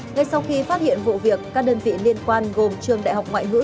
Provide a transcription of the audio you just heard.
ngay sau khi phát hiện vụ việc các đơn vị liên quan gồm trường đại học ngoại ngữ